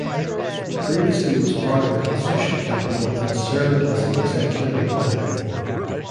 He previously was partner at Social Capital and served as an executive at Yahoo!